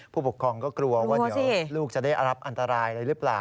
ผู้ปกครองก็กลัวว่าเดี๋ยวลูกจะได้รับอันตรายอะไรหรือเปล่า